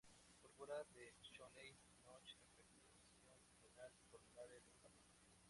Púrpura de Schönlein-Henoch: afectación renal y pulmonar en un adulto.